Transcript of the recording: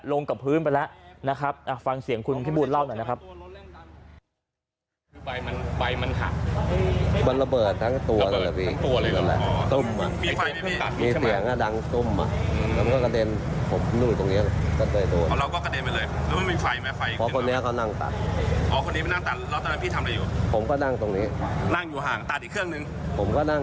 ลงกับพื้นไปแล้วนะครับฟังเสียงคุณพี่บูลเล่าหน่อยนะครับ